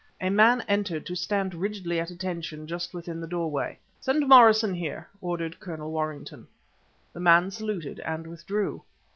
A man entered, to stand rigidly at attention just within the doorway. "Send Morrison here," ordered Colonel Warrington. The man saluted and withdrew.